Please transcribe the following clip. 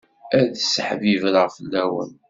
Ad seḥbibreɣ fell-awen.